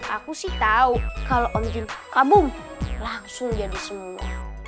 aku sih tau kalau om gini kabum langsung jadi semua